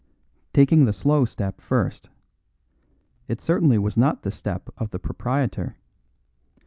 Taking the slow step first: it certainly was not the step of the proprietor.